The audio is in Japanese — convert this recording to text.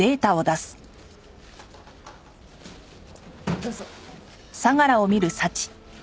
どうぞ。